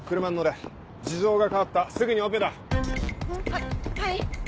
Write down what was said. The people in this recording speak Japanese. ははい！